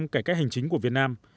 cải cách hành chính của việt nam